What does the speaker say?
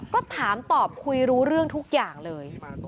ก็ถามตอบคุยรู้เรื่องทุกอย่างเลย